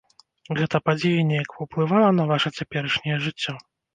Гэта падзея неяк паўплывала на ваша цяперашняе жыццё?